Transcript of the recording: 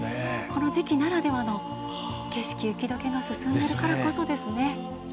この時期ならではの景色雪解けが進んでいるからこそですね。